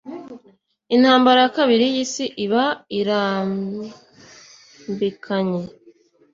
intambara ya kabiri y'isi iba irambikanye.